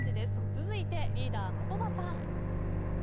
続いてリーダー的場さん。